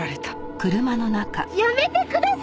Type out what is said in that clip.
やめてください！